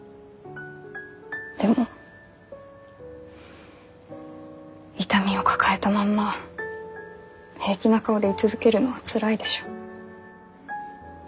でも痛みを抱えたまんま平気な顔で居続けるのはつらいでしょ。